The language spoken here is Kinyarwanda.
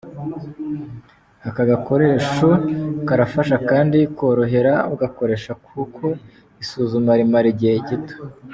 Aka gakoresho karafasha kandi korohera ugakoresha kuko isuzuma rimara igihe gito.